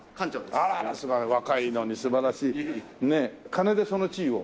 金でその地位を？